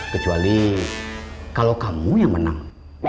kecuali kalau kamu yang menang